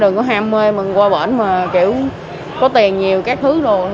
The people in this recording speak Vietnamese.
đừng có ham mê mình qua bọn mà kiểu có tiền nhiều các thứ rồi